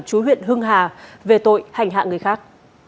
chú huyện hưng hà về tội hành hạ người khác